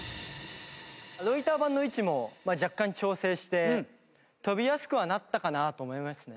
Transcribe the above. ロイター板の位置も若干調整して跳びやすくはなったかなと思いますね。